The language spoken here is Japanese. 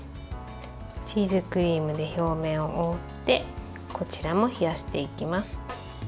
チーズクリームで表面を覆ってこちらも冷やしていきます。